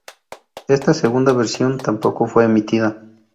Esta segunda versión tampoco fue emitida.